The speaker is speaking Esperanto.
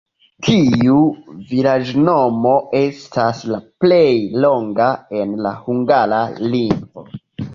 Tiu vilaĝnomo estas la plej longa en la hungara lingvo.